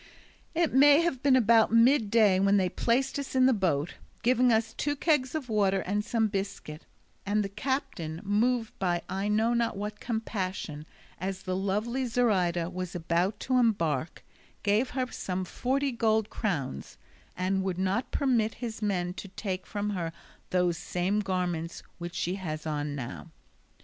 It may have been about mid day when they placed us in the boat, giving us two kegs of water and some biscuit; and the captain, moved by I know not what compassion, as the lovely Zoraida was about to embark, gave her some forty gold crowns, and would not permit his men to take from her those same garments which she has on now.